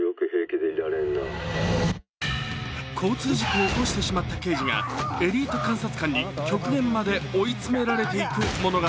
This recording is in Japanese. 交通事故を起こしてしまった刑事がエリート監察官に極限まで追い詰められていく物語。